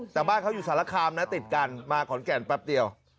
แต่บ้านเขาอยู่สารคามนะติดกันมาขอนแก่นแป๊บเดียว